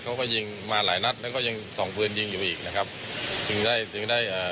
เขาก็ยิงมาหลายนัดแล้วก็ยังส่องปืนยิงอยู่อีกนะครับจึงได้จึงได้เอ่อ